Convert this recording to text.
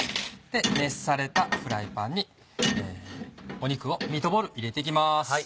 熱されたフライパンにミートボール入れていきます。